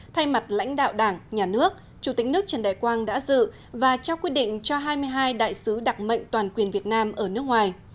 thay mặt lãnh đạo đảng nhà nước chủ tịch nước trần đại quang đã dự và trao quyết định cho hai mươi hai đại sứ đặc mệnh toàn quyền việt nam ở nước ngoài